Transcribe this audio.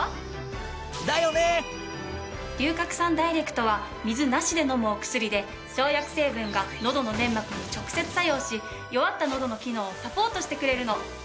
龍角散ダイレクトは水なしで飲むお薬で生薬成分がのどの粘膜に直接作用し弱ったのどの機能をサポートしてくれるの。